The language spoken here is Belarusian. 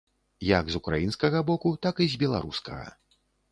Як з украінскага боку, так і з беларускага.